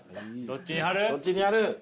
どっちに貼る？